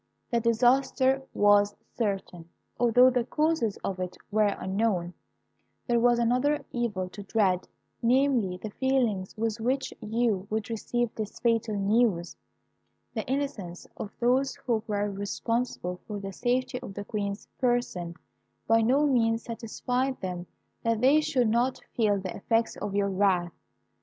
"The disaster was certain, although the causes of it were unknown. There was another evil to dread; namely, the feelings with which you would receive this fatal news. The innocence of those who were responsible for the safety of the Queen's person by no means satisfied them that they should not feel the effects of your wrath.